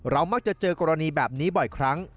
มักจะเจอกรณีแบบนี้บ่อยครั้ง